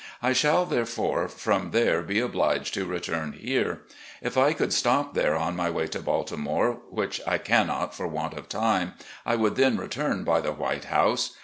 I shall, therefore, from there be obliged to return here. If I could stop there on my way to Baltimore, which I cannot for want of time, I would then return by the 'White House.